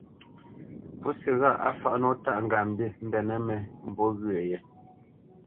Pǔsi ghâʼ á fǎʼ nǒ tâʼ ŋgap mbenə́ mə̂mbû ghyə̂ yé.